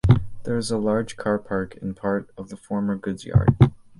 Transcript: There is a large car park in part of the former goods yard.